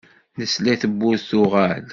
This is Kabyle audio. Nesla i tewwurt tuɣal.